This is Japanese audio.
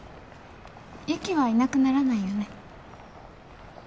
雪はいなくならないよね？